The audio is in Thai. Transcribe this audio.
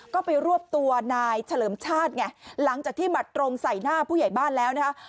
ก็ไปรวบตัวนายเฉลิมชาติไงหลังจากที่หมัดตรงใส่หน้าผู้ใหญ่บ้านแล้วนะคะ